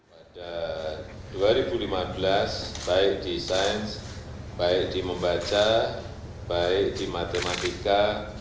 pada dua ribu lima belas baik di sains baik di membaca baik di matematika